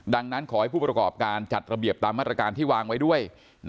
ดังนั้นขอให้ผู้ประกอบการจัดระเบียบตามมาตรการที่วางไว้ด้วย